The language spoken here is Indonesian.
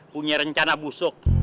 punya rencana busuk